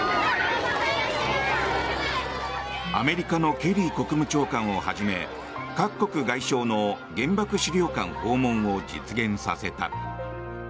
アメリカのケリー国務長官をはじめ各国外相の原爆資料館訪問を実現させた。